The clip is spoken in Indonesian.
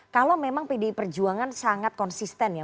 kalau memang pdi perjuangan sangat konsisten ya